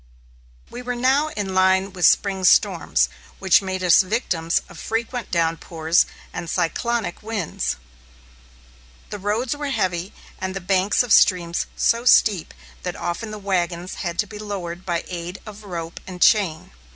We were now in line with spring storms, which made us victims of frequent downpours and cyclonic winds. The roads were heavy, and the banks of streams so steep that often the wagons had to be lowered by aid of rope and chain.